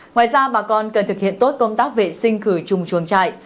ngoài ra bà con cần thực hiện tốt công tác vệ sinh khử trùng chuồng trại